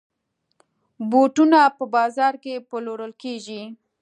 بوټونه په بازاز کې پلورل کېږي.